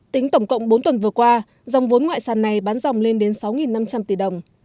tính tổng cộng bốn tuần vừa qua dòng vốn ngoại sàn này bán dòng lên đến sáu năm trăm linh tỷ đồng